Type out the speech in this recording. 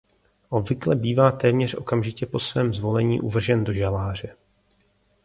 Obvykle bývá téměř okamžitě po svém zvolení uvržen do žaláře.